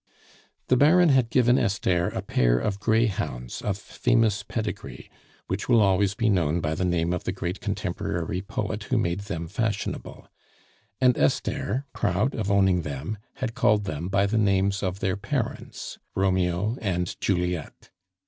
The Baron had given Esther a pair of greyhounds of famous pedigree, which will be always known by the name of the great contemporary poet who made them fashionable; and Esther, proud of owning them, had called them by the names of their parents, Romeo and Juliet.